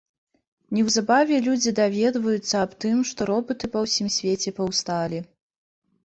Неўзабаве людзі даведваюцца аб тым, што робаты па ўсім свеце паўсталі.